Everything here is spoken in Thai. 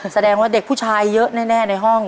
แสดงว่าเด็กผู้ชายเยอะแน่ในห้อง